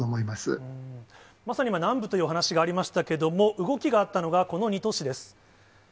まさに今、南部というお話がありましたけれども、動きがあったのが、この２都市です。